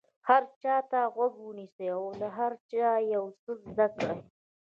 هر چا ته غوږ ونیسئ او له هر چا یو څه زده کړئ.